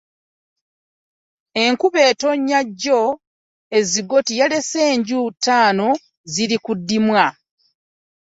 Enkuba eyatonnye jjo e Zigoti yalese enju ttaano ziri ku ddimwa.